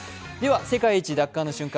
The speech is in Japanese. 世界一奪還の瞬間